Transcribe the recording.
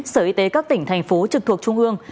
sở y tế các tỉnh thành phố trực thuộc trung ương